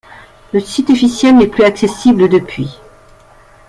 Le site officiel n'est plus accessible depuis.